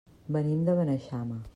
Venim de Beneixama.